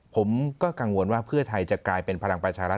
ผมก็กังวลว่าเพื่อไทยจะกลายเป็นพลังประชารัฐ